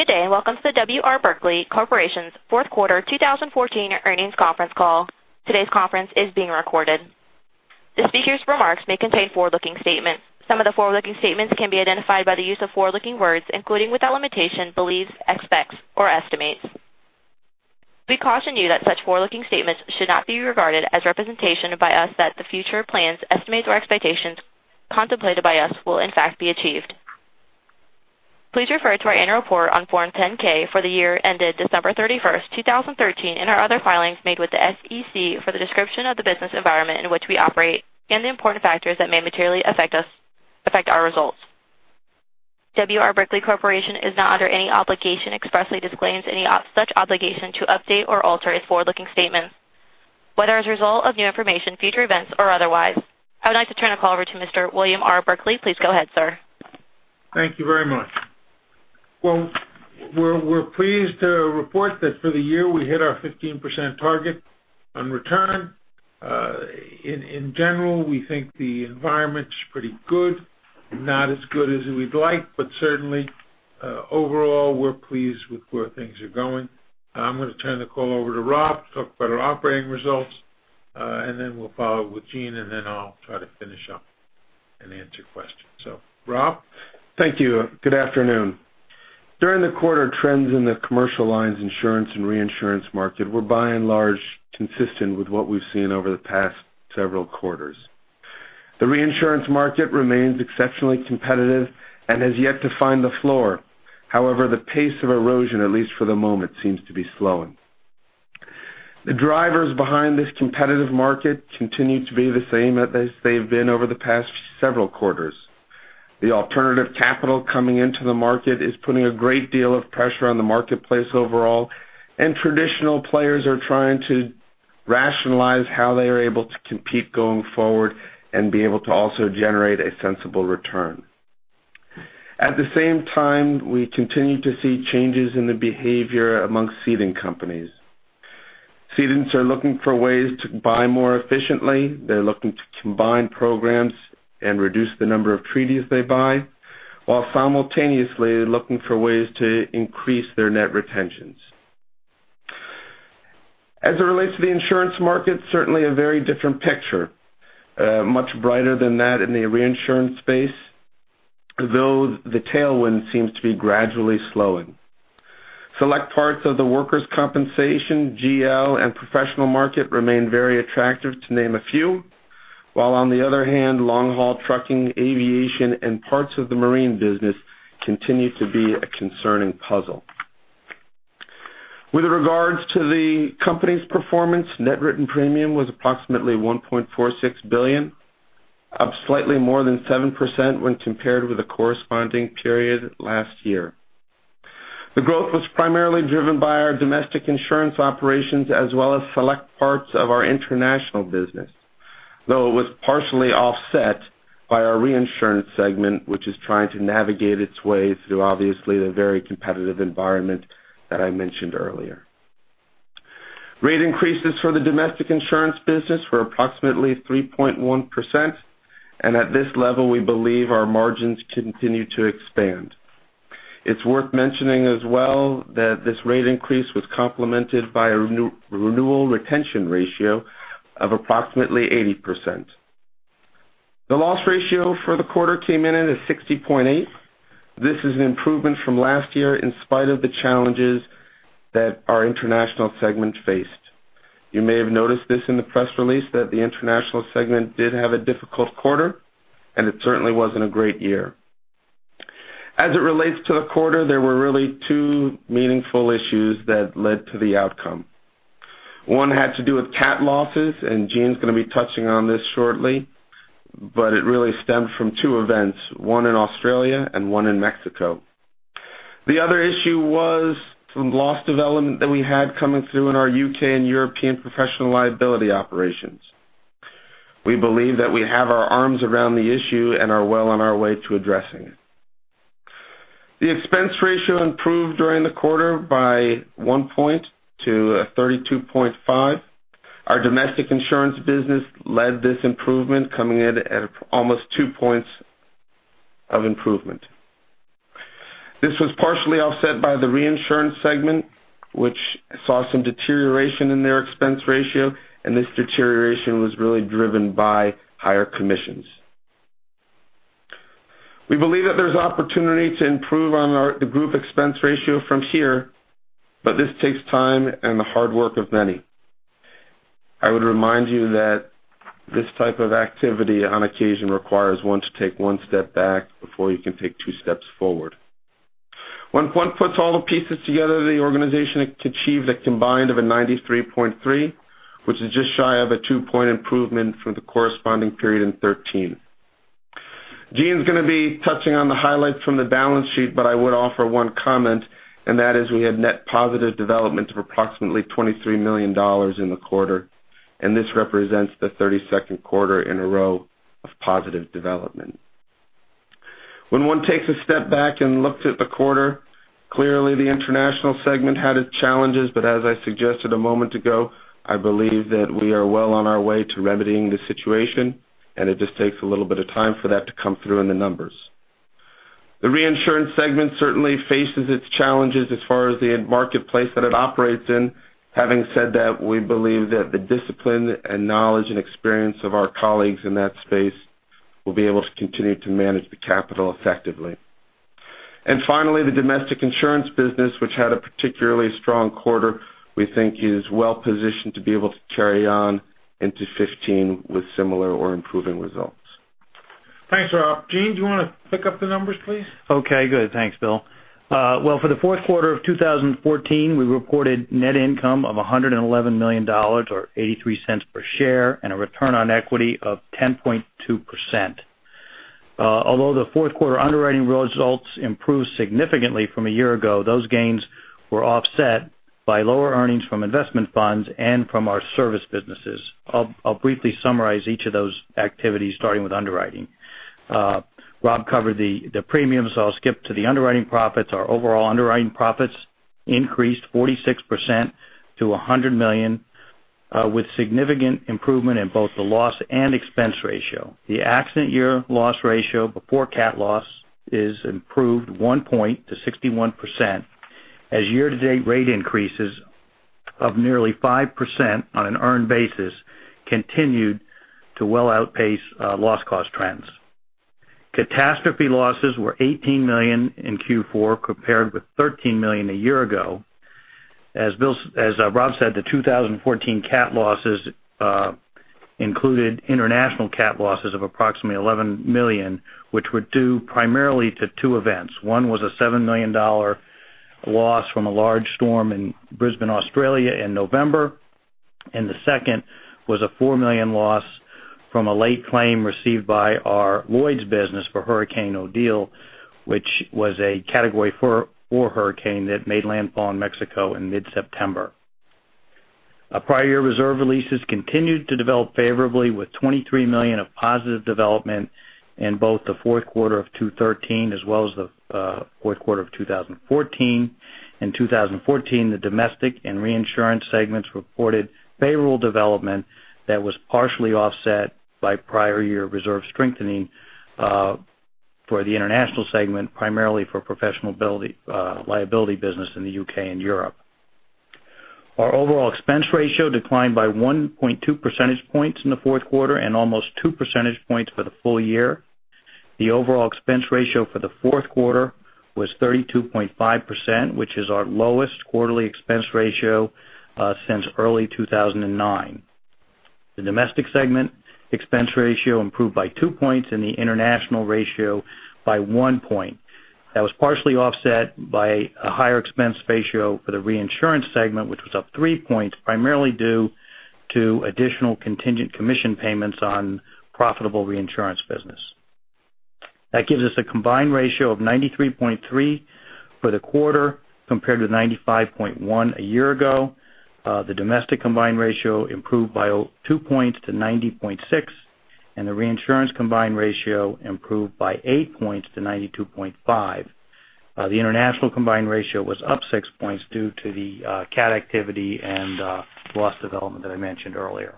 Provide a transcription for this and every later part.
Good day. Welcome to the W. R. Berkley Corporation's fourth quarter 2014 earnings conference call. Today's conference is being recorded. The speakers' remarks may contain forward-looking statements. Some of the forward-looking statements can be identified by the use of forward-looking words, including, without limitation, believes, expects or estimates. We caution you that such forward-looking statements should not be regarded as representation by us that the future plans, estimates or expectations contemplated by us will in fact be achieved. Please refer to our annual report on Form 10-K for the year ended December 31st, 2013, and our other filings made with the SEC for the description of the business environment in which we operate and the important factors that may materially affect our results. W. R. Berkley Corporation is not under any obligation, expressly disclaims any such obligation to update or alter its forward-looking statements, whether as a result of new information, future events, or otherwise. I would like to turn the call over to Mr. William R. Berkley. Please go ahead, sir. Thank you very much. Well, we're pleased to report that for the year we hit our 15% target on return. In general, we think the environment's pretty good, not as good as we'd like, but certainly, overall, we're pleased with where things are going. I'm going to turn the call over to Rob to talk about our operating results. We'll follow with Gene. I'll try to finish up and answer questions. Rob? Thank you. Good afternoon. During the quarter, trends in the commercial lines insurance and reinsurance market were by and large, consistent with what we've seen over the past several quarters. The reinsurance market remains exceptionally competitive and has yet to find the floor. However, the pace of erosion, at least for the moment, seems to be slowing. The drivers behind this competitive market continue to be the same as they've been over the past several quarters. The alternative capital coming into the market is putting a great deal of pressure on the marketplace overall. Traditional players are trying to rationalize how they are able to compete going forward and be able to also generate a sensible return. At the same time, we continue to see changes in the behavior amongst ceding companies. Cedants are looking for ways to buy more efficiently. They're looking to combine programs and reduce the number of treaties they buy, while simultaneously looking for ways to increase their net retentions. As it relates to the insurance market, certainly a very different picture, much brighter than that in the reinsurance space, though the tailwind seems to be gradually slowing. Select parts of the workers' compensation, GL, and professional market remain very attractive to name a few. While on the other hand, long-haul trucking, aviation, and parts of the marine business continue to be a concerning puzzle. With regards to the company's performance, net written premium was approximately $1.46 billion, up slightly more than 7% when compared with the corresponding period last year. The growth was primarily driven by our domestic insurance operations as well as select parts of our international business. It was partially offset by our reinsurance segment, which is trying to navigate its way through obviously the very competitive environment that I mentioned earlier. Rate increases for the domestic insurance business were approximately 3.1%. At this level, we believe our margins continue to expand. It's worth mentioning as well that this rate increase was complemented by a renewal retention ratio of approximately 80%. The loss ratio for the quarter came in at a 60.8%. This is an improvement from last year in spite of the challenges that our international segment faced. You may have noticed this in the press release that the international segment did have a difficult quarter, and it certainly wasn't a great year. As it relates to the quarter, there were really two meaningful issues that led to the outcome. One had to do with cat losses. Gene's going to be touching on this shortly. It really stemmed from two events, one in Australia and one in Mexico. The other issue was some loss development that we had coming through in our U.K. and European professional liability operations. We believe that we have our arms around the issue and are well on our way to addressing it. The expense ratio improved during the quarter by one point to 32.5%. Our domestic insurance business led this improvement coming in at almost two points of improvement. This was partially offset by the reinsurance segment, which saw some deterioration in their expense ratio. This deterioration was really driven by higher commissions. We believe that there's opportunity to improve on the group expense ratio from here. This takes time and the hard work of many. I would remind you that this type of activity on occasion requires one to take one step back before you can take two steps forward. When one puts all the pieces together, the organization achieved a combined of a 93.3%, which is just shy of a two-point improvement from the corresponding period in 2013. Gene's going to be touching on the highlights from the balance sheet. I would offer one comment. That is we have net positive development of approximately $23 million in the quarter. This represents the 32nd quarter in a row of positive development. When one takes a step back and looks at the quarter, clearly the international segment had its challenges. As I suggested a moment ago, I believe that we are well on our way to remedying the situation, it just takes a little bit of time for that to come through in the numbers. The reinsurance segment certainly faces its challenges as far as the marketplace that it operates in. Having said that, we believe that the discipline and knowledge and experience of our colleagues in that space will be able to continue to manage the capital effectively. Finally, the domestic insurance business, which had a particularly strong quarter, we think is well-positioned to be able to carry on into 2015 with similar or improving results. Thanks, Rob. Gene, do you want to pick up the numbers, please? Okay, good. Thanks, Bill. For the fourth quarter of 2014, we reported net income of $111 million, or $0.83 per share, and a return on equity of 10.2%. Although the fourth quarter underwriting results improved significantly from a year ago, those gains were offset by lower earnings from investment funds and from our service businesses. I'll briefly summarize each of those activities, starting with underwriting. Rob covered the premiums, so I'll skip to the underwriting profits. Our overall underwriting profits increased 46% to $100 million, with significant improvement in both the loss and expense ratio. The accident year loss ratio before cat loss is improved one point to 61%, as year-to-date rate increases of nearly 5% on an earned basis continued to well outpace loss cost trends. Catastrophe losses were $18 million in Q4 compared with $13 million a year ago. As Rob said, the 2014 cat losses included international cat losses of approximately $11 million, which were due primarily to two events. One was a $7 million loss from a large storm in Brisbane, Australia, in November, and the second was a $4 million loss from a late claim received by our Lloyd's business for Hurricane Odile, which was a Category 4 hurricane that made landfall in Mexico in mid-September. Our prior year reserve releases continued to develop favorably with $23 million of positive development in both the fourth quarter of 2013 as well as the fourth quarter of 2014. In 2014, the domestic and reinsurance segments reported payroll development that was partially offset by prior year reserve strengthening for the international segment, primarily for professional liability business in the U.K. and Europe. Our overall expense ratio declined by 1.2 percentage points in the fourth quarter and almost two percentage points for the full year. The overall expense ratio for the fourth quarter was 32.5%, which is our lowest quarterly expense ratio since early 2009. The domestic segment expense ratio improved by two points and the international ratio by one point. That was partially offset by a higher expense ratio for the reinsurance segment, which was up three points, primarily due to additional contingent commission payments on profitable reinsurance business. That gives us a combined ratio of 93.3 for the quarter compared to 95.1 a year ago. The domestic combined ratio improved by two points to 90.6, and the reinsurance combined ratio improved by eight points to 92.5. The international combined ratio was up six points due to the cat activity and loss development that I mentioned earlier.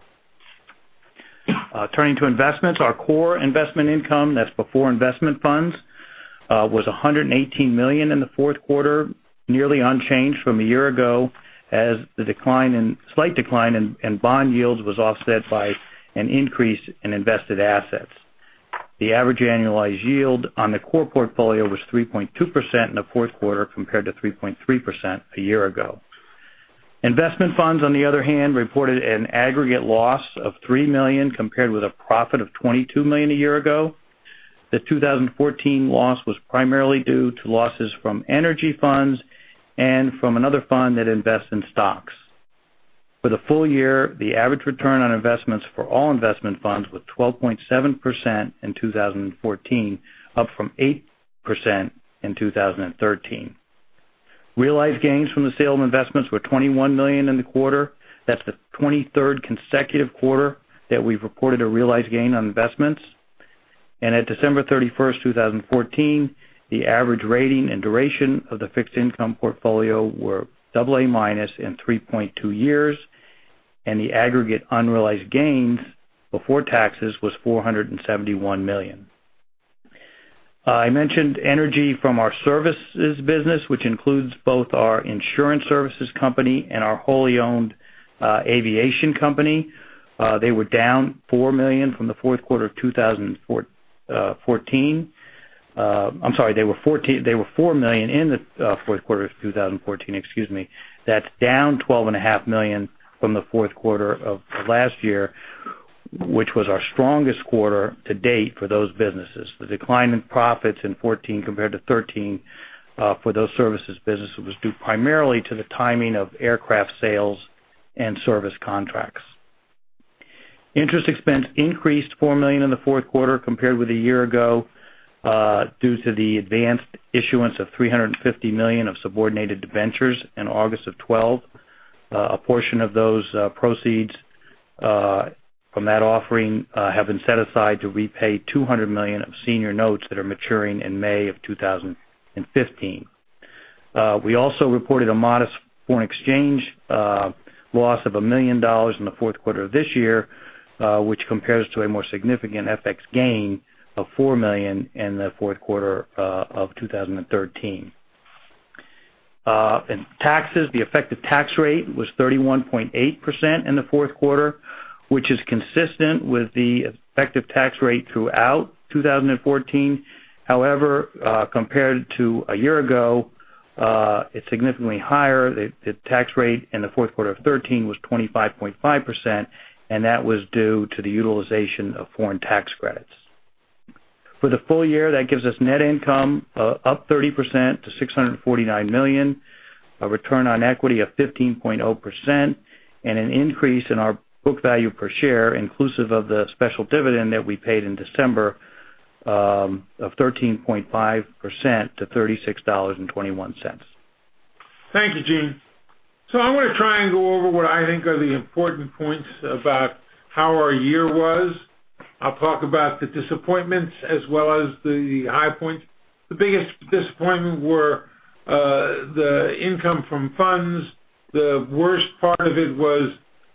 Turning to investments, our core investment income, that's before investment funds, was $118 million in the fourth quarter, nearly unchanged from a year ago as the slight decline in bond yields was offset by an increase in invested assets. The average annualized yield on the core portfolio was 3.2% in the fourth quarter compared to 3.3% a year ago. Investment funds, on the other hand, reported an aggregate loss of $3 million compared with a profit of $22 million a year ago. The 2014 loss was primarily due to losses from energy funds and from another fund that invests in stocks. For the full year, the average return on investments for all investment funds was 12.7% in 2014, up from 8% in 2013. Realized gains from the sale of investments were $21 million in the quarter. That's the 23rd consecutive quarter that we've reported a realized gain on investments. And at December 31st, 2014, the average rating and duration of the fixed income portfolio were AA- and 3.2 years, and the aggregate unrealized gains before taxes was $471 million. I mentioned energy from our services business, which includes both our insurance services company and our wholly owned aviation company. They were down $4 million from the fourth quarter of 2014. I'm sorry, they were $4 million in the fourth quarter of 2014, excuse me. That's down $12.5 million from the fourth quarter of last year, which was our strongest quarter to date for those businesses. The decline in profits in 2014 compared to 2013 for those services businesses was due primarily to the timing of aircraft sales and service contracts. Interest expense increased $4 million in the fourth quarter compared with a year ago, due to the advanced issuance of $350 million of subordinated debentures in August of 2012. A portion of those proceeds from that offering have been set aside to repay $200 million of senior notes that are maturing in May of 2015. We also reported a modest foreign exchange loss of $1 million in the fourth quarter of this year, which compares to a more significant FX gain of $4 million in the fourth quarter of 2013. In taxes, the effective tax rate was 31.8% in the fourth quarter, which is consistent with the effective tax rate throughout 2014. However, compared to a year ago, it's significantly higher. The tax rate in the fourth quarter of 2013 was 25.5%. That was due to the utilization of foreign tax credits. For the full year, that gives us net income up 30% to $649 million, a return on equity of 15.0%, and an increase in our book value per share, inclusive of the special dividend that we paid in December, of 13.5% to $36.21. Thank you, Gene. I want to try and go over what I think are the important points about how our year was. I'll talk about the disappointments as well as the high points. The biggest disappointment were the income from funds. The worst part of it was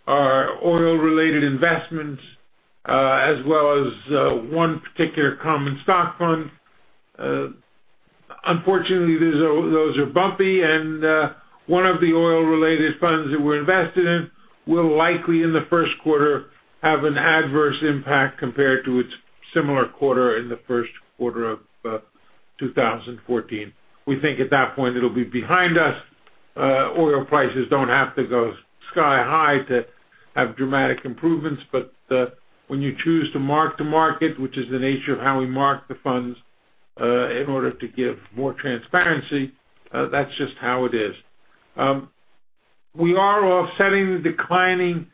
our oil-related investments, as well as one particular common stock fund. Unfortunately, those are bumpy, and one of the oil-related funds that we're invested in will likely, in the first quarter, have an adverse impact compared to its similar quarter in the first quarter of 2014. We think at that point it'll be behind us. Oil prices don't have to go sky-high to have dramatic improvements, but when you choose to mark-to-market, which is the nature of how we mark the funds in order to give more transparency, that's just how it is. We are offsetting the declining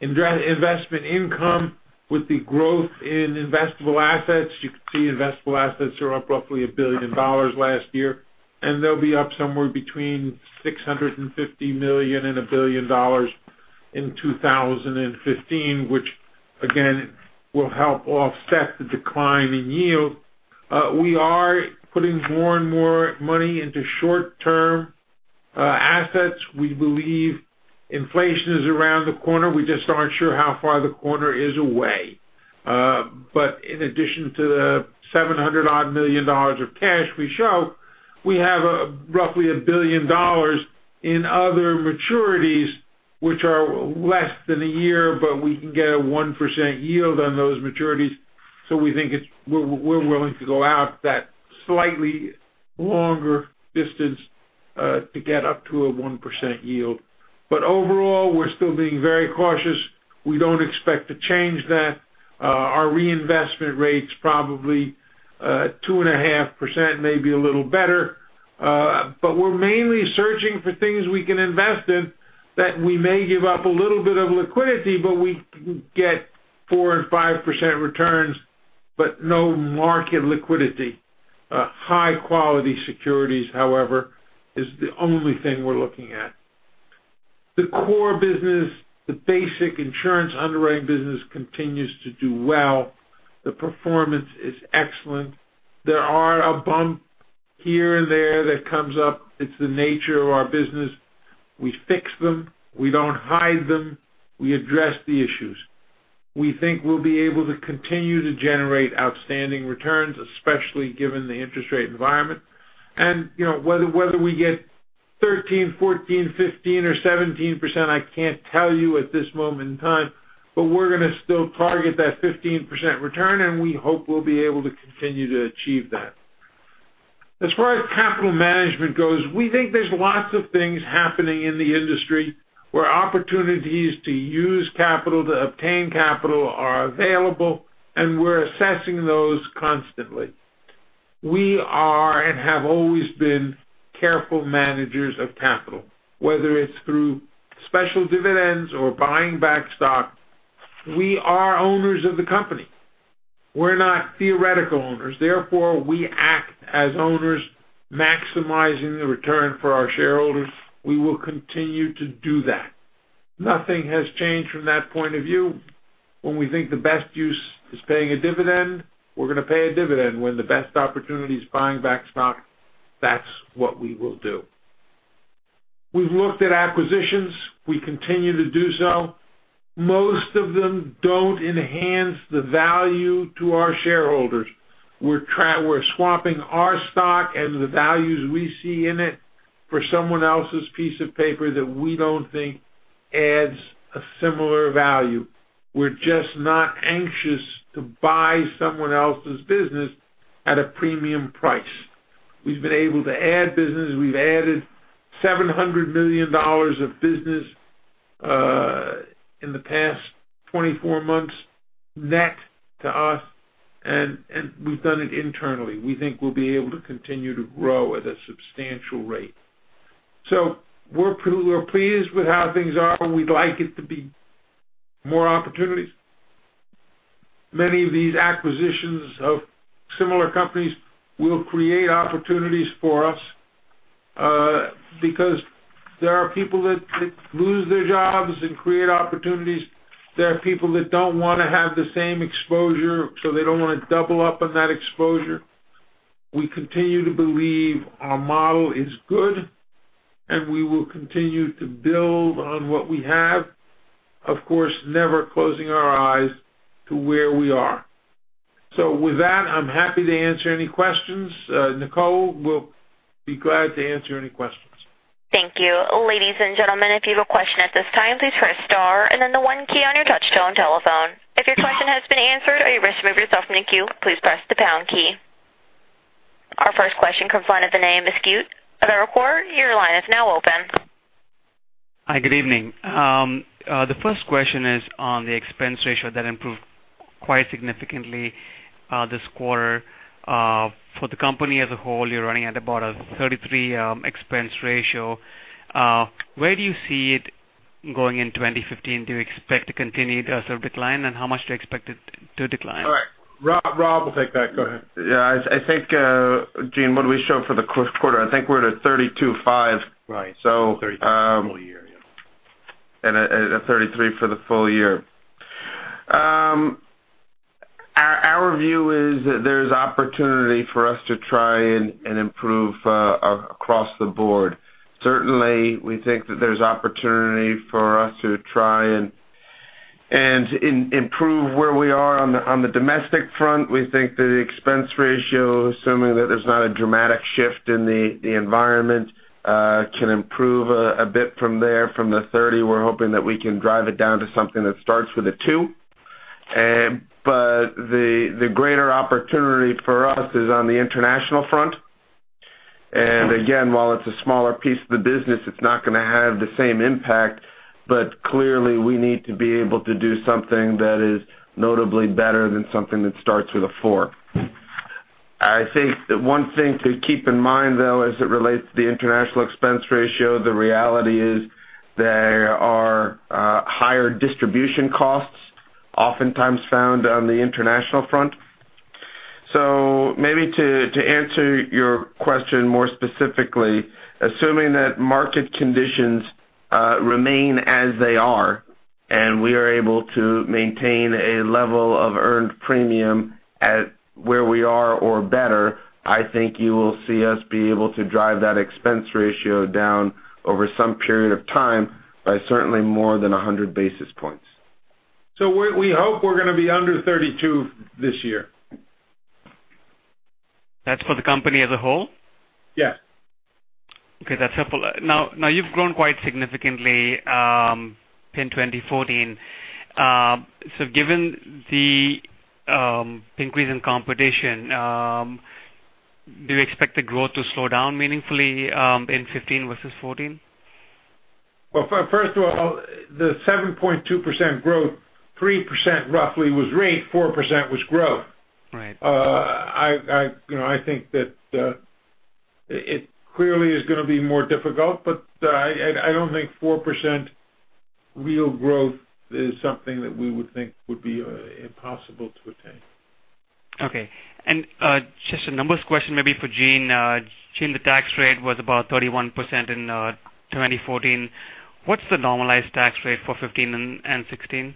investment income with the growth in investable assets. You can see investable assets are up roughly $1 billion last year, and they'll be up somewhere between $650 million and $1 billion in 2015, which again will help offset the decline in yield. We are putting more and more money into short-term assets. We believe inflation is around the corner. We just aren't sure how far the corner is away. In addition to the $700 odd million of cash we show, we have roughly $1 billion in other maturities, which are less than a year, but we can get a 1% yield on those maturities. We're willing to go out that slightly longer distance, to get up to a 1% yield. Overall, we're still being very cautious. We don't expect to change that. Our reinvestment rate's probably 2.5%, maybe a little better. We're mainly searching for things we can invest in that we may give up a little bit of liquidity, but we can get 4% and 5% returns, but no market liquidity. High-quality securities, however, is the only thing we're looking at. The core business, the basic insurance underwriting business, continues to do well. The performance is excellent. There are a bump here and there that comes up. It's the nature of our business. We fix them. We don't hide them. We address the issues. We think we'll be able to continue to generate outstanding returns, especially given the interest rate environment. Whether we get 13%, 14%, 15%, or 17%, I can't tell you at this moment in time, we're going to still target that 15% return, and we hope we'll be able to continue to achieve that. We think there's lots of things happening in the industry where opportunities to use capital, to obtain capital are available, and we're assessing those constantly. We are and have always been careful managers of capital, whether it's through special dividends or buying back stock. We are owners of the company. We're not theoretical owners. We act as owners maximizing the return for our shareholders. We will continue to do that. Nothing has changed from that point of view. When we think the best use is paying a dividend, we're going to pay a dividend. When the best opportunity is buying back stock, that's what we will do. We've looked at acquisitions. We continue to do so. Most of them don't enhance the value to our shareholders. We're swapping our stock and the values we see in it for someone else's piece of paper that we don't think adds a similar value. We're just not anxious to buy someone else's business at a premium price. We've been able to add business. We've added $700 million of business in the past 24 months net to us, and we've done it internally. We think we'll be able to continue to grow at a substantial rate. We're pleased with how things are. We'd like it to be more opportunities. Many of these acquisitions of similar companies will create opportunities for us because there are people that lose their jobs and create opportunities. There are people that don't want to have the same exposure, so they don't want to double up on that exposure. We continue to believe our model is good, and we will continue to build on what we have. Of course, never closing our eyes to where we are. With that, I'm happy to answer any questions. Nicole will be glad to answer any questions. Thank you. Ladies and gentlemen, if you have a question at this time, please press star and then the one key on your touchtone telephone. If your question has been answered or you wish to remove yourself from the queue, please press the pound key. Our first question comes line of the name is Vinay Misquith. Other reporter, your line is now open. Hi, good evening. The first question is on the expense ratio that improved quite significantly this quarter. For the company as a whole, you're running at about a 33 expense ratio. Where do you see it going in 2015? Do you expect to continue the decline, and how much do you expect it to decline? All right. Rob will take that. Go ahead. Yeah. Gene, what do we show for the first quarter? I think we're at a 32.5. Right. 33 for the full year, yeah. A 33% for the full year. Our view is that there's opportunity for us to try and improve across the board. Certainly, we think that there's opportunity for us to try and improve where we are on the domestic front. We think that the expense ratio, assuming that there's not a dramatic shift in the environment, can improve a bit from there. From the 30%, we're hoping that we can drive it down to something that starts with a two. The greater opportunity for us is on the international front. Again, while it's a smaller piece of the business, it's not going to have the same impact, but clearly we need to be able to do something that is notably better than something that starts with a four. I think one thing to keep in mind, though, as it relates to the international expense ratio, the reality is there are higher distribution costs oftentimes found on the international front. Maybe to answer your question more specifically, assuming that market conditions remain as they are and we are able to maintain a level of earned premium at where we are or better, I think you will see us be able to drive that expense ratio down over some period of time by certainly more than 100 basis points. We hope we're going to be under 32% this year. That's for the company as a whole? Yes. Okay, that's helpful. You've grown quite significantly in 2014. Given the increase in competition, do you expect the growth to slow down meaningfully in 2015 versus 2014? Well, first of all, the 7.2% growth, 3% roughly was rate, 4% was growth. Right. I think that it clearly is going to be more difficult. I don't think 4% real growth is something that we would think would be impossible to attain. Okay. Just a numbers question maybe for Gene. Gene, the tax rate was about 31% in 2014. What's the normalized tax rate for 2015 and 2016?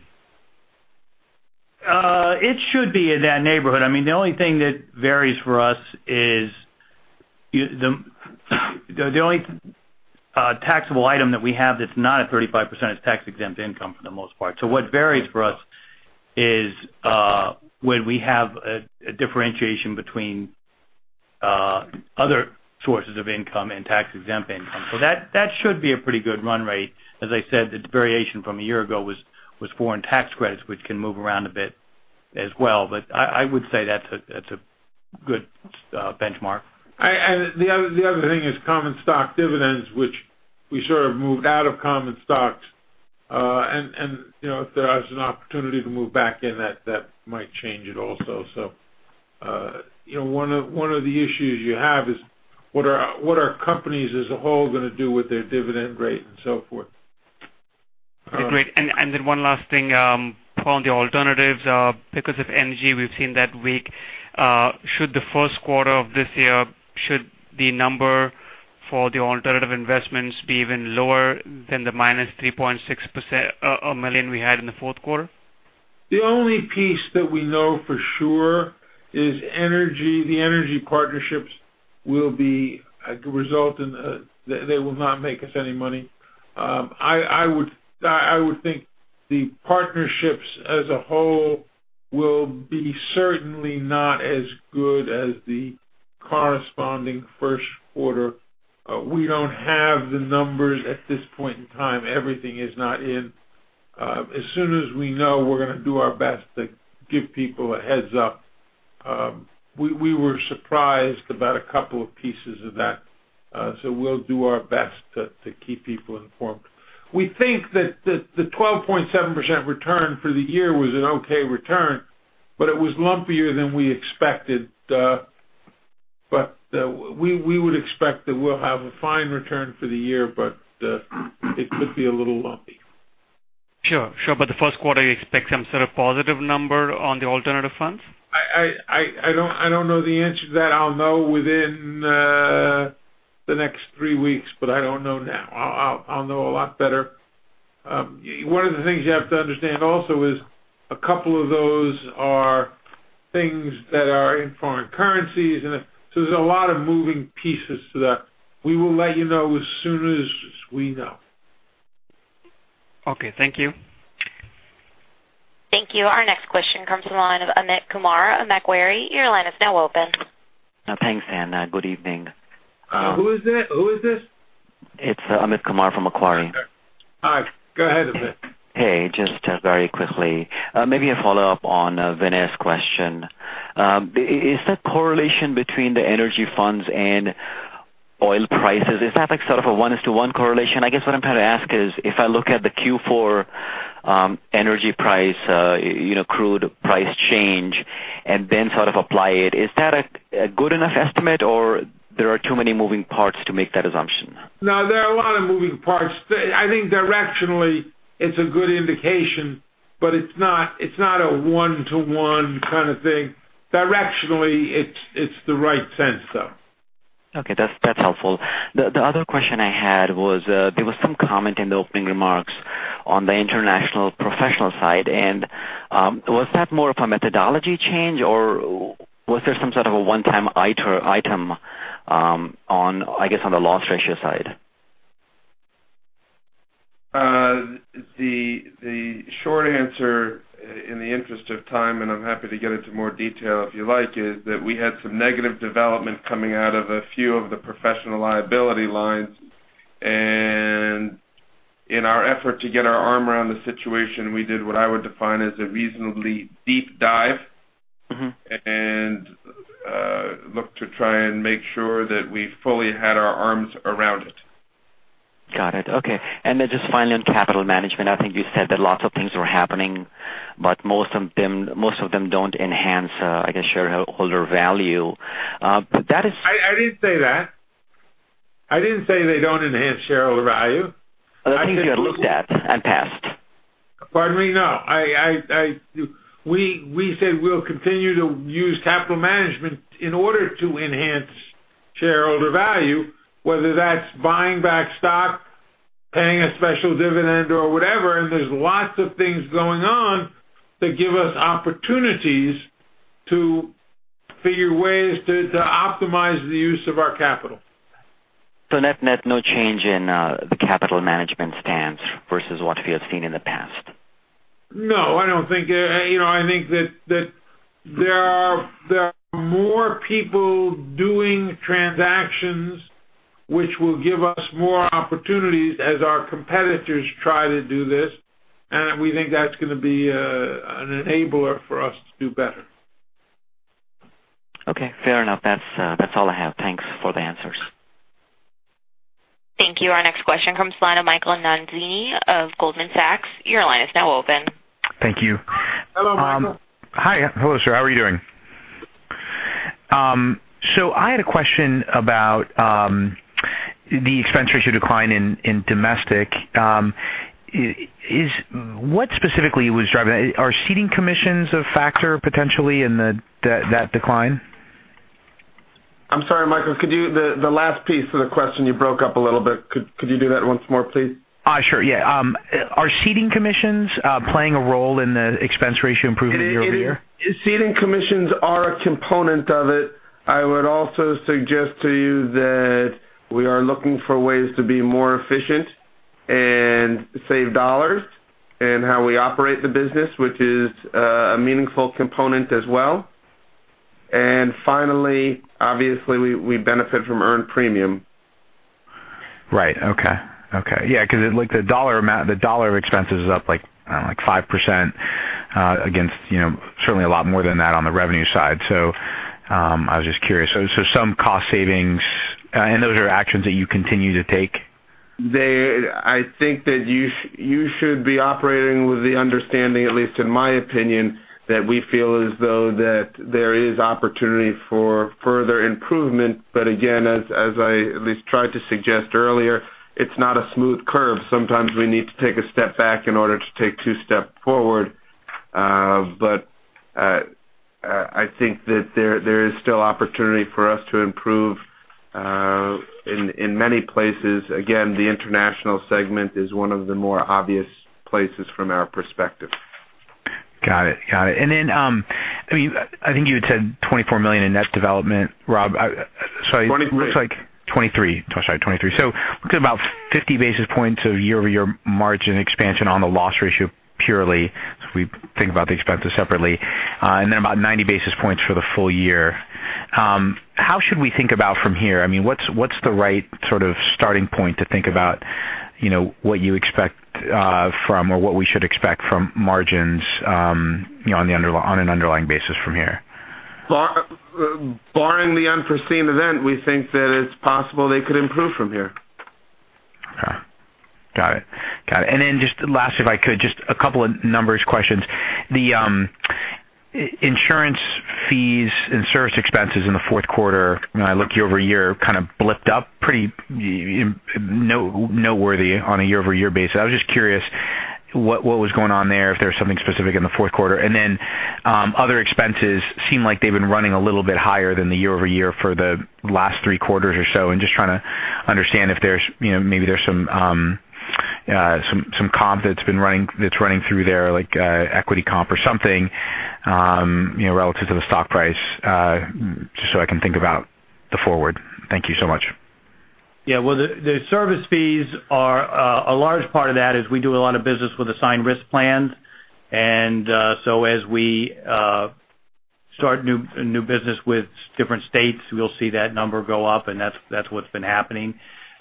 It should be in that neighborhood. The only taxable item that we have that's not a 35% is tax-exempt income for the most part. What varies for us is when we have a differentiation between other sources of income and tax-exempt income. That should be a pretty good run rate. As I said, its variation from a year ago was foreign tax credits, which can move around a bit as well. I would say that's a good benchmark. The other thing is common stock dividends, which we sort of moved out of common stocks. If there was an opportunity to move back in that might change it also. One of the issues you have is what are companies as a whole going to do with their dividend rate and so forth. Great. One last thing on the alternatives, because of energy, we've seen that week. Should the first quarter of this year, should the number for the alternative investments be even lower than the -3.6% a million we had in the fourth quarter? The only piece that we know for sure is the energy partnerships will be a result in they will not make us any money. I would think the partnerships as a whole will be certainly not as good as the corresponding first quarter. We don't have the numbers at this point in time. Everything is not in. As soon as we know, we're going to do our best to give people a heads up. We were surprised about a couple of pieces of that, we'll do our best to keep people informed. We think that the 12.7% return for the year was an okay return, but it was lumpier than we expected. We would expect that we'll have a fine return for the year, but it could be a little lumpy. Sure. The first quarter, you expect some sort of positive number on the alternative funds? I don't know the answer to that. I'll know within the next three weeks, but I don't know now. I'll know a lot better. One of the things you have to understand also is a couple of those are things that are in foreign currencies, and so there's a lot of moving pieces to that. We will let you know as soon as we know. Okay, thank you. Thank you. Our next question comes from the line of Amit Kumar, Macquarie. Your line is now open. Thanks, Anna. Good evening. Who is this? It's Amit Kumar from Macquarie. Hi. Go ahead, Amit. Hey, just very quickly, maybe a follow-up on Vinay's question. Is the correlation between the energy funds and oil prices, is that like sort of a one-to-one correlation? I guess what I'm trying to ask is, if I look at the Q4 energy price, crude price change, and then sort of apply it, is that a good enough estimate or there are too many moving parts to make that assumption? No, there are a lot of moving parts. I think directionally it's a good indication, but it's not a one-to-one kind of thing. Directionally, it's the right sense, though. Okay. That's helpful. The other question I had was, there was some comment in the opening remarks on the international professional side. Was that more of a methodology change or was there some sort of a one-time item on, I guess, on the loss ratio side? The short answer, in the interest of time, and I'm happy to get into more detail if you like, is that we had some negative development coming out of a few of the professional liability lines. In our effort to get our arm around the situation, we did what I would define as a reasonably deep dive. Looked to try and make sure that we fully had our arms around it. Got it. Okay. Then just finally on capital management, I think you said that lots of things were happening, but most of them don't enhance, I guess, shareholder value. I didn't say that. I didn't say they don't enhance shareholder value. The things you had looked at and passed. Pardon me. No. We said we'll continue to use capital management in order to enhance shareholder value, whether that's buying back stock, paying a special dividend or whatever. There's lots of things going on that give us opportunities to figure ways to optimize the use of our capital. Net-net, no change in the capital management stance versus what we have seen in the past? No, I don't think that there are more people doing transactions which will give us more opportunities as our competitors try to do this. We think that's going to be an enabler for us to do better. Okay, fair enough. That's all I have. Thanks for the answers. Thank you. Our next question comes from the line of Michael Nannizzi of Goldman Sachs. Your line is now open. Thank you. Hello, Michael. Hi. Hello, sir. How are you doing? I had a question about the expense ratio decline in domestic. What specifically was driving that? Are ceding commissions a factor potentially in that decline? I'm sorry, Michael, the last piece of the question, you broke up a little bit. Could you do that once more, please? Sure, yeah. Are ceding commissions playing a role in the expense ratio improvement year-over-year? Ceding commissions are a component of it. I would also suggest to you that we are looking for ways to be more efficient and save dollars in how we operate the business, which is a meaningful component as well. Finally, obviously, we benefit from earned premium. Right. Okay. Yeah, the dollar amount, the dollar expenses is up like 5% against certainly a lot more than that on the revenue side. I was just curious. Some cost savings, and those are actions that you continue to take? I think that you should be operating with the understanding, at least in my opinion, that we feel as though that there is opportunity for further improvement. Again, as I at least tried to suggest earlier, it's not a smooth curve. Sometimes we need to take a step back in order to take two steps forward. I think that there is still opportunity for us to improve in many places. The international segment is one of the more obvious places from our perspective. Got it. I think you had said $24 million in net development, Rob. Twenty-three. Sorry, $23. We're talking about 50 basis points of year-over-year margin expansion on the loss ratio purely, if we think about the expenses separately, about 90 basis points for the full year. How should we think about from here? What's the right sort of starting point to think about what you expect from, or what we should expect from margins on an underlying basis from here? Barring the unforeseen event, we think that it's possible they could improve from here. Got it. Just last, if I could, just a couple of numbers questions. Insurance fees and service expenses in the fourth quarter, when I look year-over-year, kind of blipped up pretty noteworthy on a year-over-year basis. I was just curious what was going on there, if there was something specific in the fourth quarter. Other expenses seem like they've been running a little bit higher than the year-over-year for the last three quarters or so. I am just trying to understand if maybe there's some comp that's running through there, like equity comp or something, relative to the stock price, just so I can think about the forward. Thank you so much. Well, the service fees are, a large part of that is we do a lot of business with assigned risk plans. As we start new business with different states, we'll see that number go up, and that's what's been happening.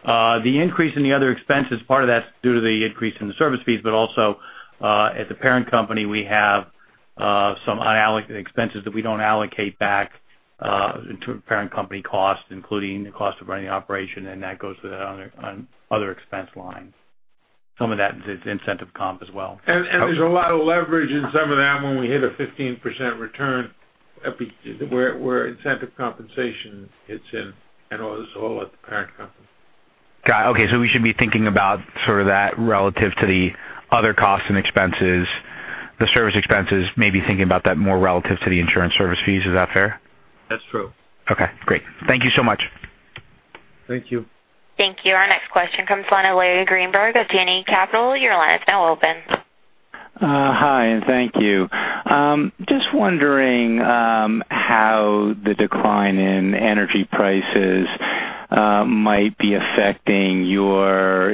The increase in the other expenses, part of that's due to the increase in the service fees, but also at the parent company, we have some unallocated expenses that we don't allocate back to parent company costs, including the cost of running the operation, and that goes to the other expense line. Some of that is incentive comp as well. There's a lot of leverage in some of that when we hit a 15% return, where incentive compensation hits in, and all this is all at the parent company. Got it. Okay. We should be thinking about sort of that relative to the other costs and expenses, the service expenses, maybe thinking about that more relative to the insurance service fees. Is that fair? That's true. Okay, great. Thank you so much. Thank you. Thank you. Our next question comes from Elyse Greenspan of JMP Securities. Your line is now open. Hi, and thank you. Just wondering how the decline in energy prices might be affecting your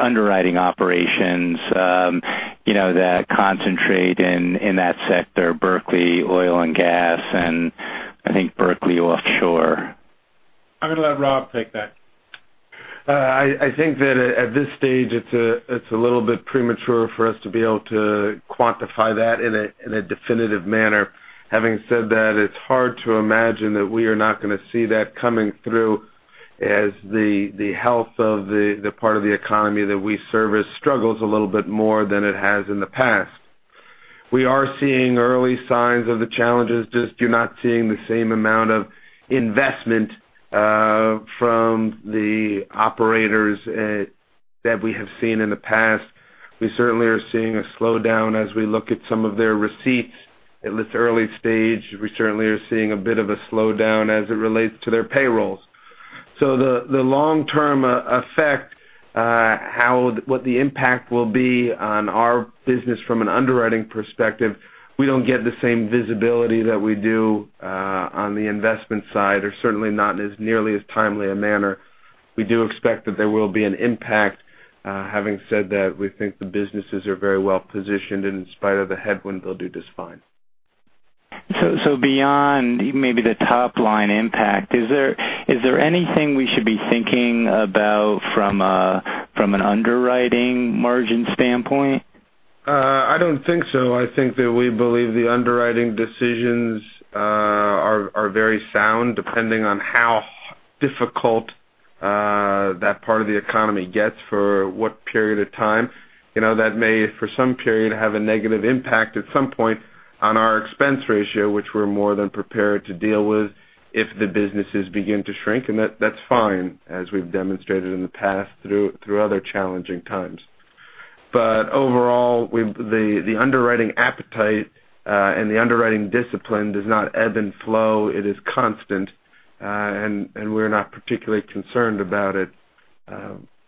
underwriting operations that concentrate in that sector, Berkley Oil & Gas, and I think Berkley Offshore. I'm going to let Rob take that. I think that at this stage, it's a little bit premature for us to be able to quantify that in a definitive manner. Having said that, it's hard to imagine that we are not going to see that coming through as the health of the part of the economy that we service struggles a little bit more than it has in the past. We are seeing early signs of the challenges, just you're not seeing the same amount of investment from the operators that we have seen in the past. We certainly are seeing a slowdown as we look at some of their receipts. At this early stage, we certainly are seeing a bit of a slowdown as it relates to their payrolls. The long-term effect, what the impact will be on our business from an underwriting perspective, we don't get the same visibility that we do on the investment side, or certainly not in as nearly as timely a manner. We do expect that there will be an impact. Having said that, we think the businesses are very well-positioned, and in spite of the headwind, they'll do just fine. Beyond maybe the top-line impact, is there anything we should be thinking about from an underwriting margin standpoint? I don't think so. I think that we believe the underwriting decisions are very sound, depending on how difficult that part of the economy gets for what period of time. That may, for some period, have a negative impact at some point on our expense ratio, which we're more than prepared to deal with if the businesses begin to shrink, and that's fine, as we've demonstrated in the past through other challenging times. Overall, the underwriting appetite and the underwriting discipline does not ebb and flow. It is constant, and we're not particularly concerned about it.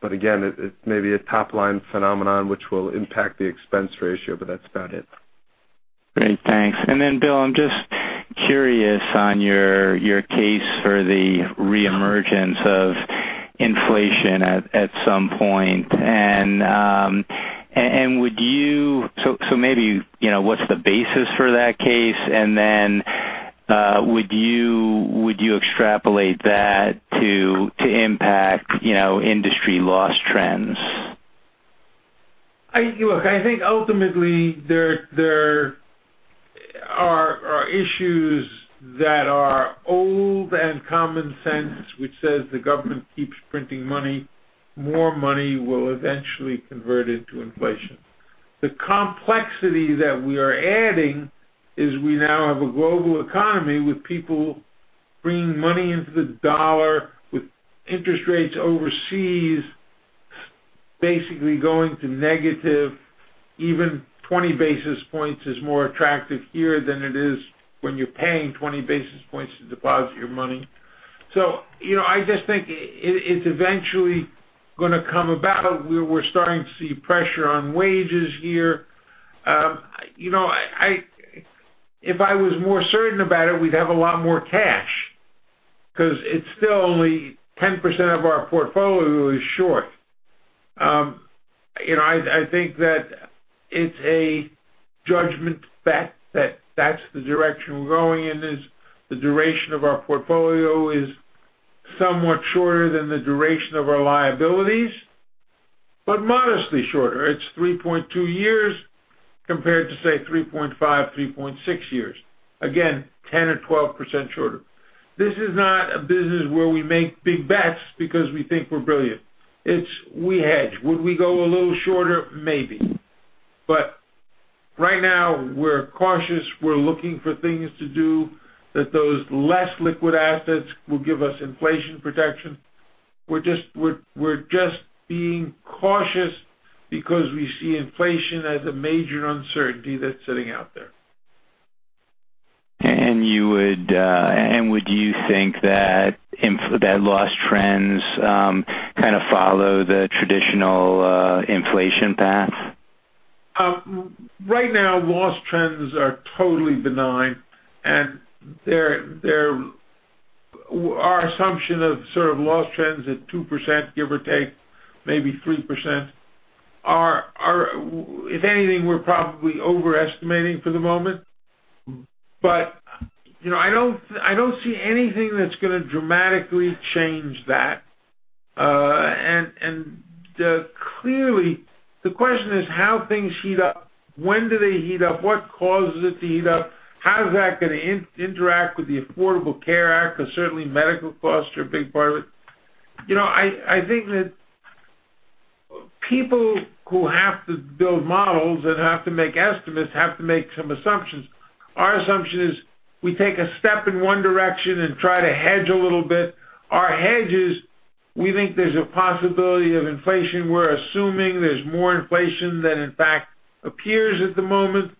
Again, it may be a top-line phenomenon which will impact the expense ratio, but that's about it. Great. Thanks. Bill, I'm just curious on your case for the reemergence of inflation at some point. Maybe what's the basis for that case, and then would you extrapolate that to impact industry loss trends? Look, I think ultimately, there are issues that are old and common sense, which says the government keeps printing money, more money will eventually convert into inflation. The complexity that we are adding is we now have a global economy with people bringing money into the dollar, with interest rates overseas basically going to negative. Even 20 basis points is more attractive here than it is when you're paying 20 basis points to deposit your money. I just think it's eventually going to come about. We're starting to see pressure on wages here. If I was more certain about it, we'd have a lot more cash because it's still only 10% of our portfolio is short. I think that it's a judgment bet that that's the direction we're going in. The duration of our portfolio is somewhat shorter than the duration of our liabilities, but modestly shorter. It's 3.2 years compared to, say, 3.5, 3.6 years. Again, 10% or 12% shorter. This is not a business where we make big bets because we think we're brilliant. It's we hedge. Would we go a little shorter? Maybe. Right now, we're cautious. We're looking for things to do that those less liquid assets will give us inflation protection. We're just being cautious because we see inflation as a major uncertainty that's sitting out there. Would you think that loss trends kind of follow the traditional inflation path? Right now, loss trends are totally benign, our assumption of sort of loss trends at 2%, give or take, maybe 3%, if anything, we're probably overestimating for the moment. I don't see anything that's going to dramatically change that. Clearly, the question is how things heat up, when do they heat up? What causes it to heat up? How is that going to interact with the Affordable Care Act? Because certainly medical costs are a big part of it. I think that people who have to build models and have to make estimates, have to make some assumptions. Our assumption is we take a step in one direction and try to hedge a little bit. Our hedge is, we think there's a possibility of inflation. We're assuming there's more inflation than, in fact, appears at the moment.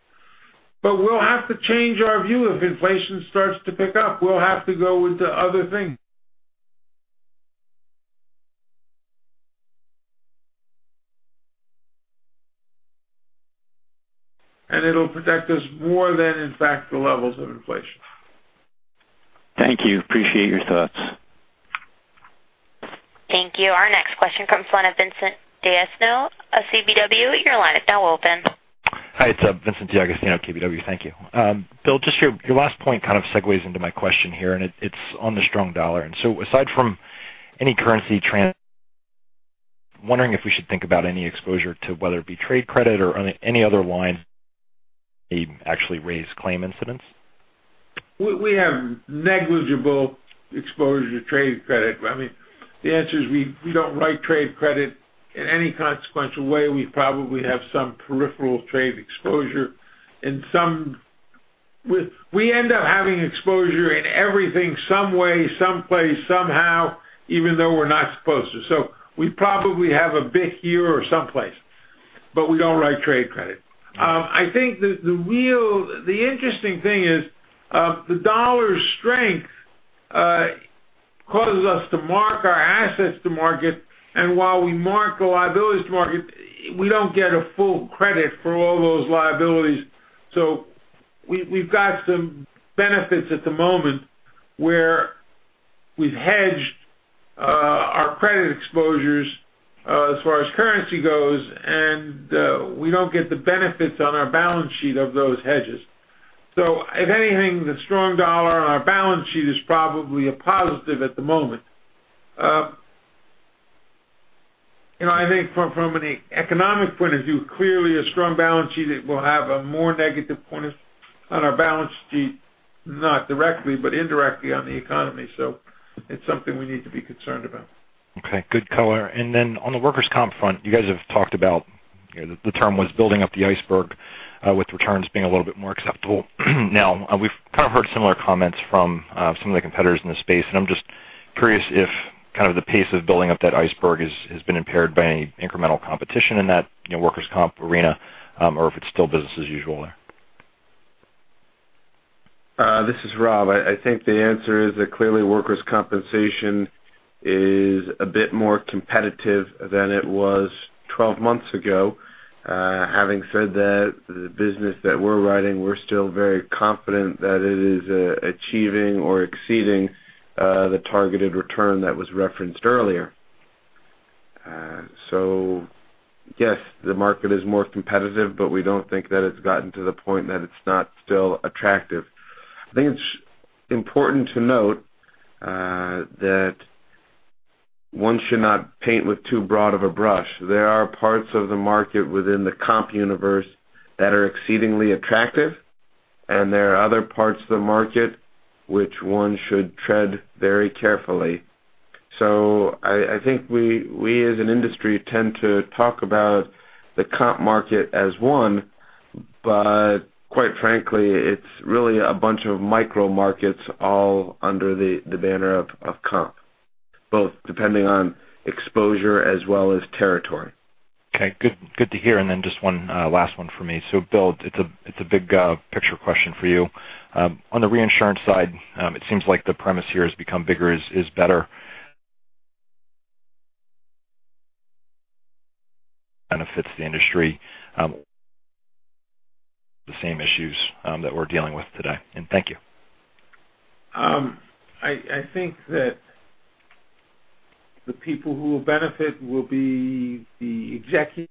We'll have to change our view if inflation starts to pick up. We'll have to go with the other thing. It'll protect us more than, in fact, the levels of inflation. Thank you. Appreciate your thoughts. Thank you. Our next question comes from the line of Vincent D'Agostino of KBW. Your line is now open. Hi, it's Vincent D'Agostino, KBW. Thank you. Bill, just your last point kind of segues into my question here, and it's on the strong dollar. Aside from any currency translation, wondering if we should think about any exposure to whether it be trade credit or any other line item actually raise claim incidents. We have negligible exposure to trade credit. The answer is we don't write trade credit in any consequential way. We probably have some peripheral trade exposure. We end up having exposure in everything some way, some place, somehow, even though we're not supposed to. We probably have a bit here or someplace, but we don't write trade credit. I think the interesting thing is the dollar's strength causes us to mark our assets to market, and while we mark our liabilities to market, we don't get a full credit for all those liabilities. We've got some benefits at the moment where we've hedged our credit exposures as far as currency goes, and we don't get the benefits on our balance sheet of those hedges. If anything, the strong dollar on our balance sheet is probably a positive at the moment. I think from an economic point of view, clearly a strong balance sheet will have a more negative point on our balance sheet, not directly, but indirectly on the economy. It's something we need to be concerned about. Okay, good color. On the workers' comp front, you guys have talked about, the term was building up the iceberg, with returns being a little bit more acceptable now. We've kind of heard similar comments from some of the competitors in this space, I'm just curious if kind of the pace of building up that iceberg has been impaired by any incremental competition in that workers' comp arena or if it's still business as usual there. This is Rob. I think the answer is that clearly workers' compensation is a bit more competitive than it was 12 months ago. Having said that, the business that we're writing, we're still very confident that it is achieving or exceeding the targeted return that was referenced earlier. Yes, the market is more competitive, we don't think that it's gotten to the point that it's not still attractive. I think it's important to note that one should not paint with too broad of a brush. There are parts of the market within the comp universe that are exceedingly attractive, and there are other parts of the market which one should tread very carefully. I think we as an industry tend to talk about the comp market as one, quite frankly, it's really a bunch of micro markets all under the banner of comp, both depending on exposure as well as territory. Okay, good to hear. Then just one last one for me. Bill, it's a big picture question for you. On the reinsurance side, it seems like the premise here has become bigger is better. Kind of fits the industry. The same issues that we're dealing with today. Thank you. I think that the people who will benefit will be the executive.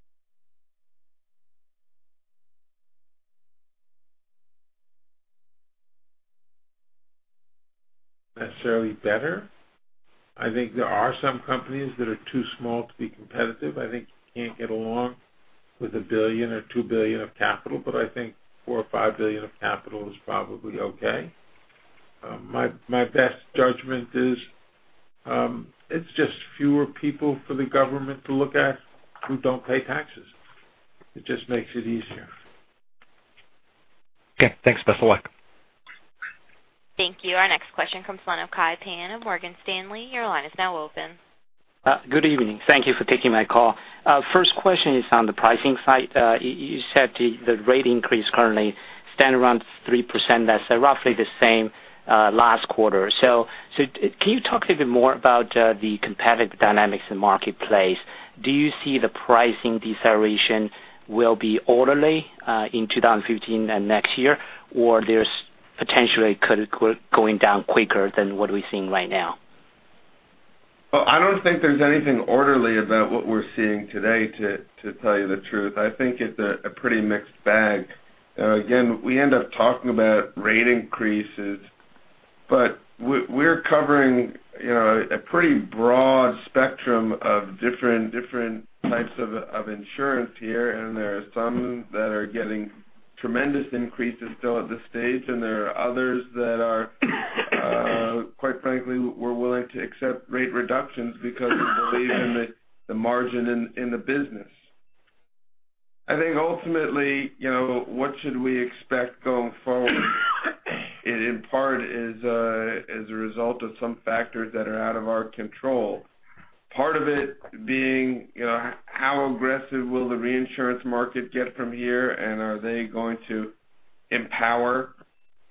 Necessarily better. I think there are some companies that are too small to be competitive. I think you can't get along with $1 billion or $2 billion of capital, but I think $4 billion or $5 billion of capital is probably okay. My best judgment is, it's just fewer people for the government to look at who don't pay taxes. It just makes it easier. Okay, thanks. Best of luck. Thank you. Our next question comes from the line of Kai Pan of Morgan Stanley. Your line is now open. Good evening. Thank you for taking my call. First question is on the pricing side. You said the rate increase currently stand around 3%. That's roughly the same last quarter. Can you talk a little bit more about the competitive dynamics in the marketplace? Do you see the pricing deceleration will be orderly in 2015 and next year, or there's potentially going down quicker than what we're seeing right now? Well, I don't think there's anything orderly about what we're seeing today, to tell you the truth. I think it's a pretty mixed bag. Again, we end up talking about rate increases, but we're covering a pretty broad spectrum of different types of insurance here, and there are some that are getting tremendous increases still at this stage, and there are others that are, quite frankly, we're willing to accept rate reductions because we believe in the margin in the business. I think ultimately, what should we expect going forward, in part is a result of some factors that are out of our control. Part of it being how aggressive will the reinsurance market get from here, and are they going to empower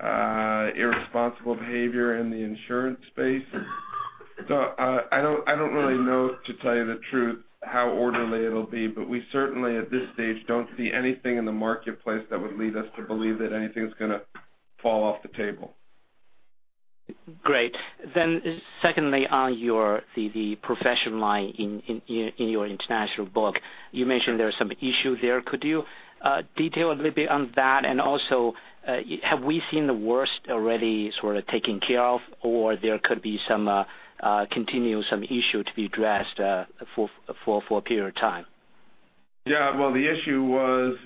irresponsible behavior in the insurance space? I don't really know, to tell you the truth, how orderly it'll be, but we certainly, at this stage, don't see anything in the marketplace that would lead us to believe that anything's going to fall off the table. Great. Secondly, on the professional line in your international book, you mentioned there are some issue there. Could you detail a little bit on that? Also, have we seen the worst already sort of taken care of, or there could be some continuous issue to be addressed for a period of time? Yeah. The issue was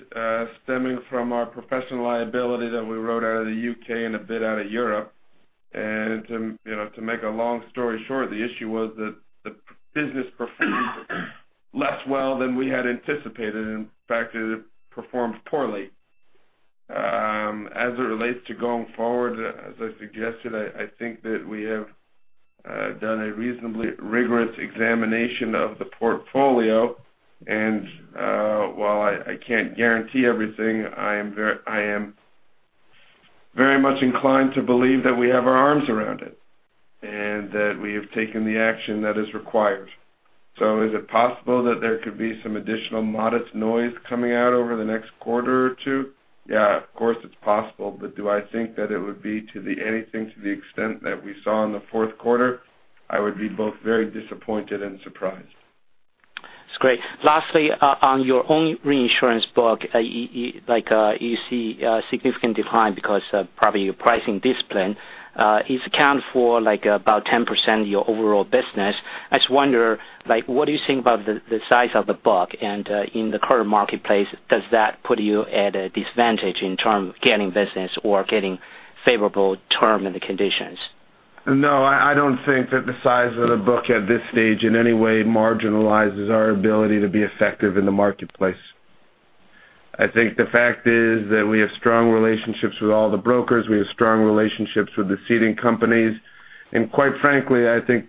stemming from our professional liability that we wrote out of the U.K. and a bit out of Europe. To make a long story short, the issue was that the business performed less well than we had anticipated. In fact, it performed poorly. As it relates to going forward, as I suggested, I think that we have done a reasonably rigorous examination of the portfolio. While I can't guarantee everything, I am very much inclined to believe that we have our arms around it, and that we have taken the action that is required. Is it possible that there could be some additional modest noise coming out over the next quarter or two? Yeah, of course it's possible. Do I think that it would be anything to the extent that we saw in the fourth quarter? I would be both very disappointed and surprised. It's great. Lastly, on your own reinsurance book, you see a significant decline because of probably your pricing discipline. It's accounted for about 10% of your overall business. I just wonder, what do you think about the size of the book, and in the current marketplace, does that put you at a disadvantage in terms of getting business or getting favorable terms and conditions? No, I don't think that the size of the book at this stage in any way marginalizes our ability to be effective in the marketplace. I think the fact is that we have strong relationships with all the brokers. We have strong relationships with the ceding companies. Quite frankly, I think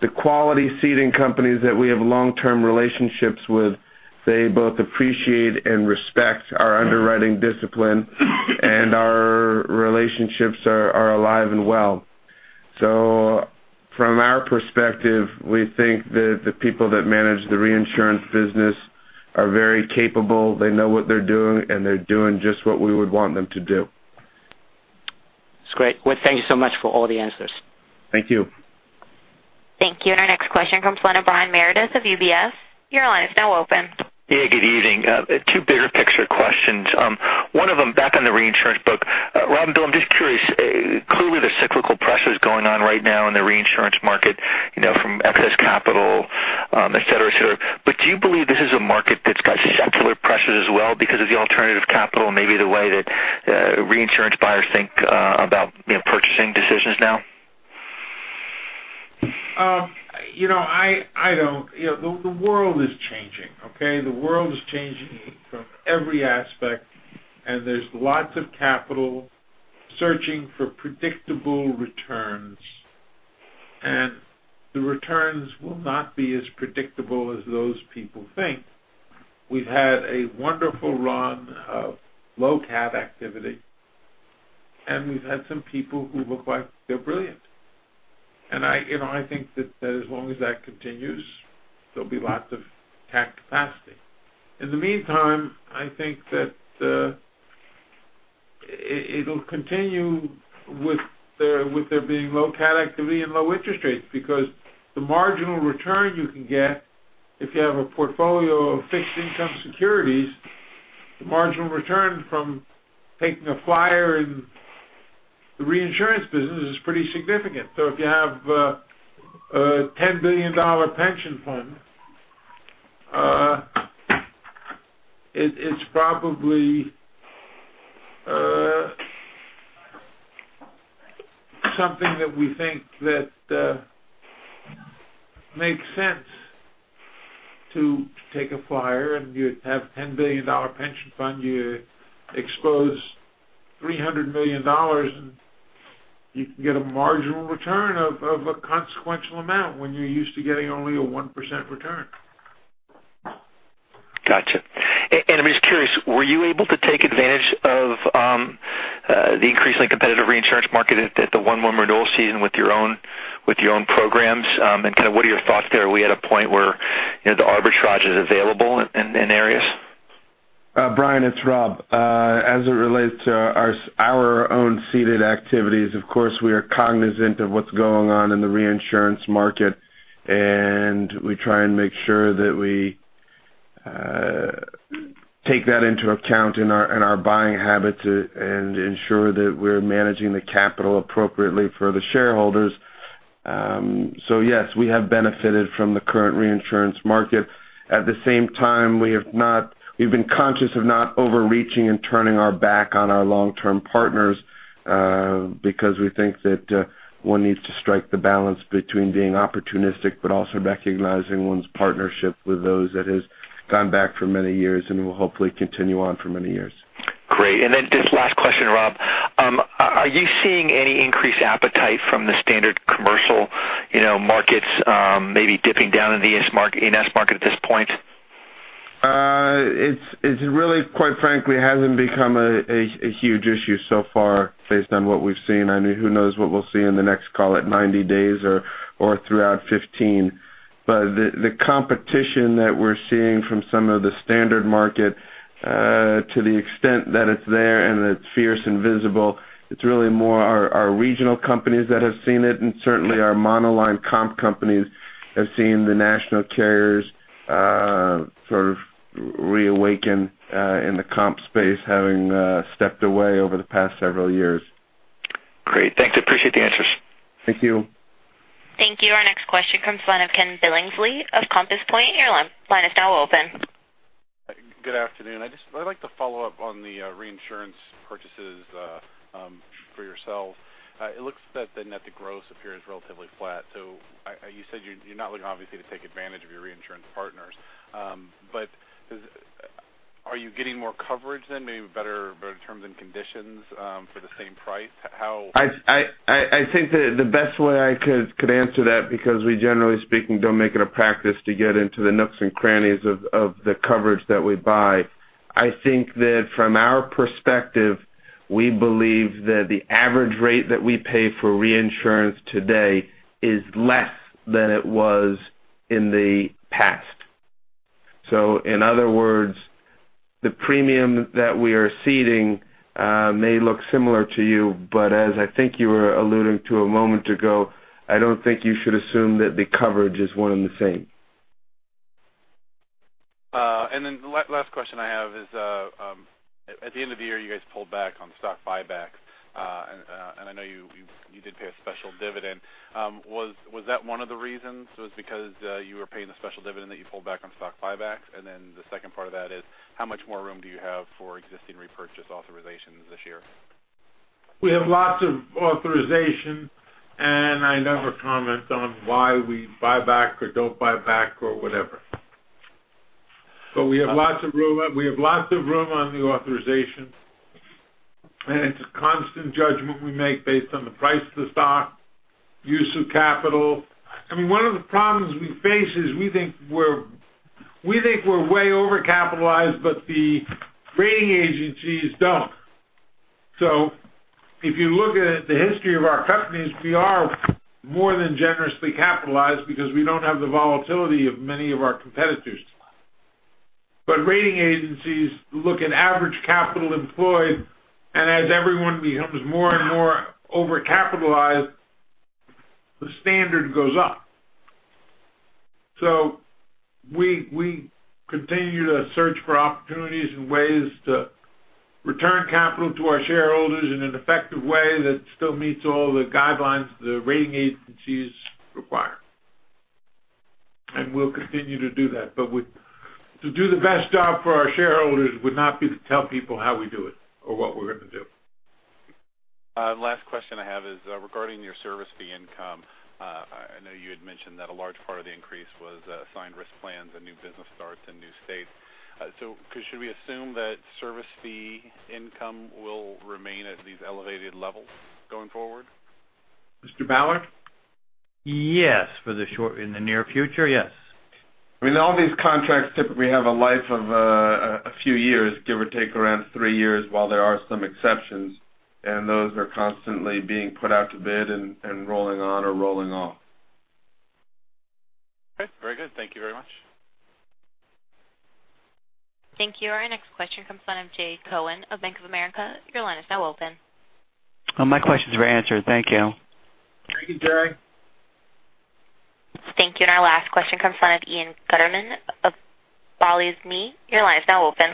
the quality ceding companies that we have long-term relationships with, they both appreciate and respect our underwriting discipline, and our relationships are alive and well. From our perspective, we think that the people that manage the reinsurance business are very capable. They know what they're doing, and they're doing just what we would want them to do. It's great. Well, thank you so much for all the answers. Thank you. Thank you. Our next question comes from the line of Brian Meredith of UBS. Your line is now open. Yeah, good evening. Two bigger picture questions. One of them back on the reinsurance book. Rob and Bill, I'm just curious, clearly there's cyclical pressures going on right now in the reinsurance market from excess capital, et cetera. Do you believe this is a market that's got secular pressures as well because of the alternative capital and maybe the way that reinsurance buyers think about purchasing decisions now? The world is changing. Okay? The world is changing from every aspect. There's lots of capital searching for predictable returns, and the returns will not be as predictable as those people think. We've had a wonderful run of low cat activity, and we've had some people who look like they're brilliant. I think that as long as that continues, there'll be lots of cat capacity. In the meantime, I think that it'll continue with there being low cat activity and low interest rates because the marginal return you can get if you have a portfolio of fixed income securities, the marginal return from taking a flyer in the reinsurance business is pretty significant. If you have a $10 billion pension fund. It's probably something that we think that makes sense to take a flyer. You have a $10 billion pension fund, you expose $300 million, and you can get a marginal return of a consequential amount when you're used to getting only a 1% return. Got you. I'm just curious, were you able to take advantage of the increasingly competitive reinsurance market at the 1/1 renewal season with your own programs? What are your thoughts there? Are we at a point where the arbitrage is available in areas? Brian, it's Rob. As it relates to our own ceded activities, of course, we are cognizant of what's going on in the reinsurance market, and we try and make sure that we take that into account in our buying habits and ensure that we're managing the capital appropriately for the shareholders. Yes, we have benefited from the current reinsurance market. At the same time, we've been conscious of not overreaching and turning our back on our long-term partners, because we think that one needs to strike the balance between being opportunistic, but also recognizing one's partnership with those that has gone back for many years and will hopefully continue on for many years. Great. Then this last question, Rob. Are you seeing any increased appetite from the standard commercial markets maybe dipping down in the E&S market at this point? It really, quite frankly, hasn't become a huge issue so far based on what we've seen. Who knows what we'll see in the next, call it 90 days or throughout 2015. The competition that we're seeing from some of the standard market, to the extent that it's there and it's fierce and visible, it's really more our regional companies that have seen it, and certainly our monoline comp companies have seen the national carriers sort of reawaken in the comp space, having stepped away over the past several years. Great. Thanks. I appreciate the answers. Thank you. Thank you. Our next question comes from the line of Ken Billingsley of Compass Point. Your line is now open. Good afternoon. I'd like to follow up on the reinsurance purchases for yourself. It looks that the net of gross appears relatively flat. You said you're not looking obviously to take advantage of your reinsurance partners. Are you getting more coverage then, maybe better terms and conditions for the same price? How? I think that the best way I could answer that, because we generally speaking, don't make it a practice to get into the nooks and crannies of the coverage that we buy. I think that from our perspective, we believe that the average rate that we pay for reinsurance today is less than it was in the past. In other words, the premium that we are ceding may look similar to you, but as I think you were alluding to a moment ago, I don't think you should assume that the coverage is one and the same. The last question I have is, at the end of the year, you guys pulled back on stock buyback. I know you did pay a special dividend. Was that one of the reasons, was it because you were paying the special dividend that you pulled back on stock buybacks? The second part of that is, how much more room do you have for existing repurchase authorizations this year? We have lots of authorization, I never comment on why we buy back or don't buy back or whatever. We have lots of room on the authorization, and it's a constant judgment we make based on the price of the stock, use of capital. One of the problems we face is we think we're way overcapitalized, but the rating agencies don't. If you look at the history of our companies, we are more than generously capitalized because we don't have the volatility of many of our competitors. Rating agencies look at average capital employed, and as everyone becomes more and more overcapitalized, the standard goes up. We continue to search for opportunities and ways to return capital to our shareholders in an effective way that still meets all the guidelines the rating agencies require. We'll continue to do that, but to do the best job for our shareholders would not be to tell people how we do it or what we're going to do. Last question I have is regarding your service fee income. I know you had mentioned that a large part of the increase was assigned risk plans and new business starts in new states. Should we assume that service fee income will remain at these elevated levels going forward? Mr. Ballard? Yes, in the near future, yes. All these contracts typically have a life of a few years, give or take around three years, while there are some exceptions, and those are constantly being put out to bid and rolling on or rolling off. Okay. Very good. Thank you very much. Thank you. Our next question comes the line of Jay Cohen of Bank of America. Your line is now open. My questions were answered. Thank you. Thank you, Jay. Thank you. Our last question comes from the line of Ian Gutterman of Balyasny Asset Management. Your line is now open.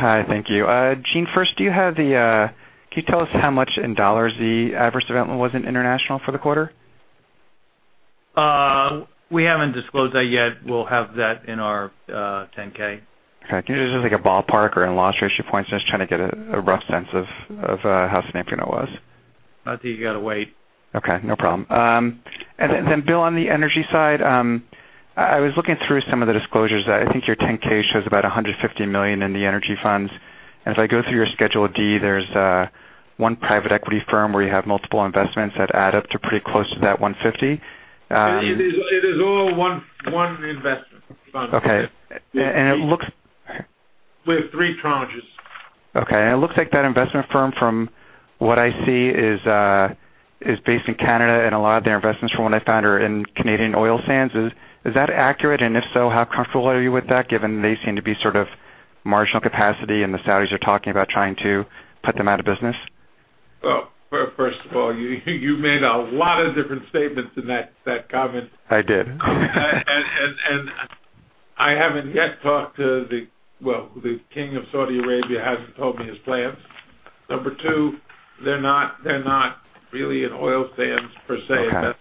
Hi, thank you. Gene, first, can you tell us how much in dollars the adverse development was in international for the quarter? We haven't disclosed that yet. We'll have that in our 10-K. Okay. Can you just give like a ballpark or in loss ratio points? Just trying to get a rough sense of how significant it was. I think you got to wait. Okay, no problem. Then Bill, on the energy side, I was looking through some of the disclosures. I think your 10-K shows about $150 million in the energy funds. If I go through your Schedule D, there's one private equity firm where you have multiple investments that add up to pretty close to that $150. It is all one investment fund. Okay. We have three tranches. Okay. It looks like that investment firm, from what I see, is based in Canada, and a lot of their investments, from what I found, are in Canadian oil sands. Is that accurate? If so, how comfortable are you with that given they seem to be sort of marginal capacity and the Saudis are talking about trying to put them out of business? Well, first of all, you made a lot of different statements in that comment. I did. I haven't yet talked to the Well, the King of Saudi Arabia hasn't told me his plans. Number 2, they're not really in oil sands, per se. Okay.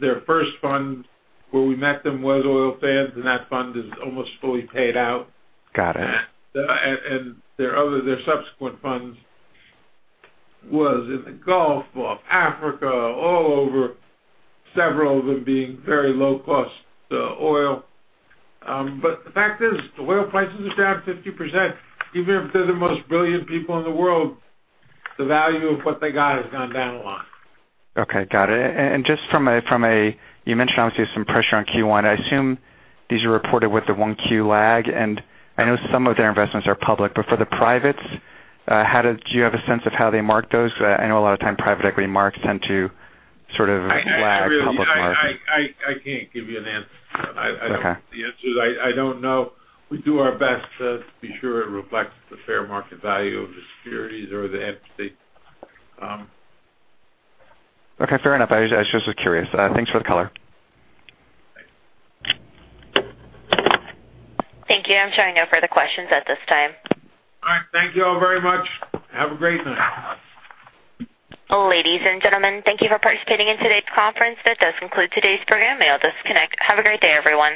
Their first fund, where we met them, was oil sands, and that fund is almost fully paid out. Got it. Their subsequent funds was in the Gulf of Mexico, all over, several of them being very low cost oil. The fact is, the oil prices are down 50%. Even if they're the most brilliant people in the world, the value of what they got has gone down a lot. Okay, got it. You mentioned, obviously, some pressure on Q1. I assume these are reported with the one Q lag, and I know some of their investments are public. For the privates, do you have a sense of how they mark those? I know a lot of time private equity marks tend to sort of lag public market. I can't give you an answer. I don't know the answer. I don't know. We do our best to be sure it reflects the fair market value of the securities or the entity. Okay, fair enough. I just was curious. Thanks for the color. Thanks. Thank you. I'm showing no further questions at this time. All right. Thank you all very much. Have a great night. Ladies and gentlemen, thank you for participating in today's conference. That does conclude today's program. You may all disconnect. Have a great day, everyone.